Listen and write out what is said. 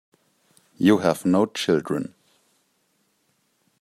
You have no children.